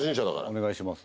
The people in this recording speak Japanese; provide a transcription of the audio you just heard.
お願いします。